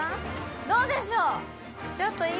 どうでしょう？